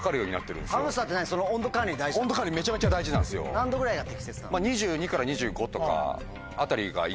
何度ぐらいが適切なの？